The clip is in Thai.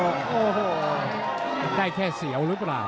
มันได้แค่เสียวรึเปล่า